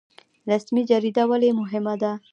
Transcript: رسمي جریده ولې مهمه ده؟